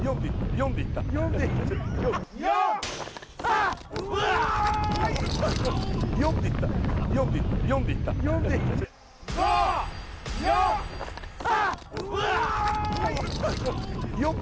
４でいった４でいった４でいった４で５４あっ！